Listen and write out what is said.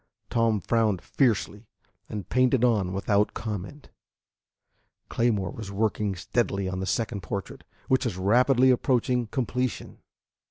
Tom frowned fiercely, and painted on without comment. Claymore was working steadily on the second portrait, which was rapidly approaching completion.